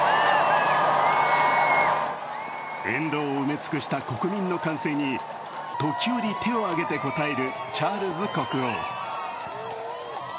沿道を埋め尽くした国民の歓声に、時折、手を上げて応えるチャールズ国王。